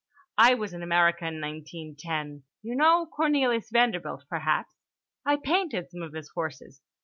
I was in America in 1910. You know Cornelius Vanderbilt perhaps? I painted some of his horses.